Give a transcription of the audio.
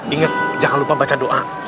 ingat jangan lupa baca doa